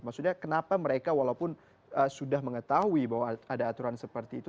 maksudnya kenapa mereka walaupun sudah mengetahui bahwa ada aturan seperti itu